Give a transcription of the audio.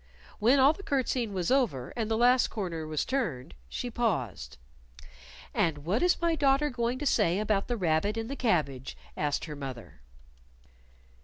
When all the curtseying was over, and the last corner was turned, she paused. "And what is my daughter going to say about the rabbit in the cabbage?" asked her mother.